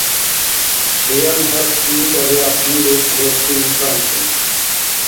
Къиян-хӏекь имцӏабиахънилис лерти имканти